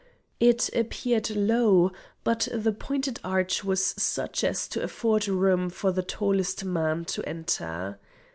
It appeared low, but the pointed arch was such as to afford room for the tallest man to enter.